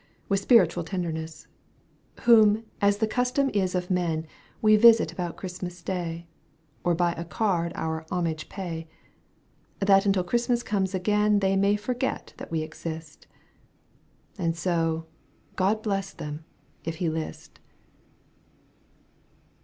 With spiritual tenderness ; Whom, as the custom is of men. We visit about Christmas Day, Or by a card our homage pay. That until Christmas comes again They may forget that we exist. And so — God bless them, if He list.